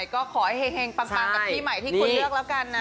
ก็ขอให้เฮงปังกับที่ใหม่ที่คุณเลือกแล้วกันนะ